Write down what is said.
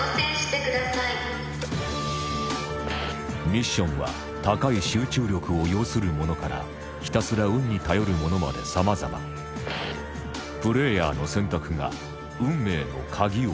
ミッションは高い集中力を要するものからひたすら運に頼るものまでさまざまなるほどね